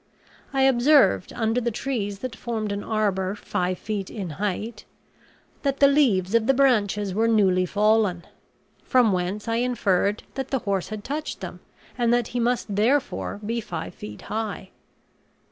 I observed under the trees that formed an arbor five feet in height, that the leaves of the branches were newly fallen; from whence I inferred that the horse had touched them, and that he must therefore be five feet high.